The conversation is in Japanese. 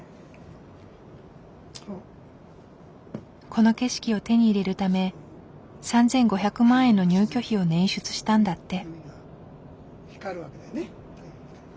この景色を手に入れるため３，５００万円の入居費を捻出したんだって。